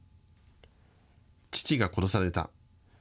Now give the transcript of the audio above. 父が殺された。